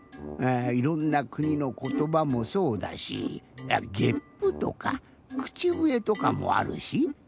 いろんなくにのことばもそうだしゲップとかくちぶえとかもあるし。